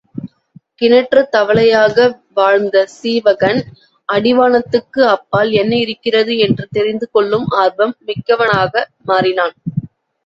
கிணற்றுத் தவளையாக வாழ்ந்த சீவகன் அடிவானத்துக்கு அப்பால் என்ன இருக்கிறது என்று தெரிந்து கொள்ளும் ஆர்வம் மிக்கவனாக மாறினான்.